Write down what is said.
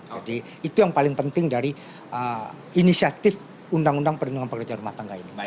jadi itu yang paling penting dari inisiatif undang undang perlindungan pekerjaan rumah tangga ini